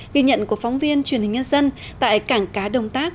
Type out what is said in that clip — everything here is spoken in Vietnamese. ghi nhận của phóng viên truyền hình nhân dân tại cảng cá đồng tác